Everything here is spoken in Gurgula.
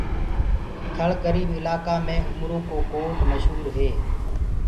ٿݪ گريب الآڪآ مي اُمر ڪو ڪوٽ مشهوري